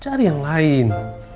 cari yang lain